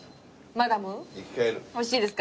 マダムおいしいですか？